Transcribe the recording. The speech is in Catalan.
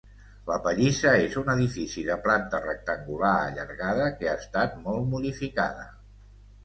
La pallissa és un edifici de planta rectangular allargada que ha estat molt modificada.